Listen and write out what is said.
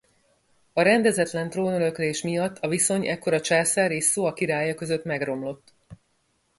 A rendezetlen trónöröklés miatt a viszony ekkor a császár és Soa királya között megromlott.